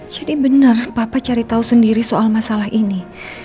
jadi benar papa cari tahu sendiri soal masalah ini